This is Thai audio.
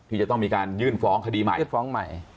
ที่จะต้องมีการยื่นฟ้องคดีใหม่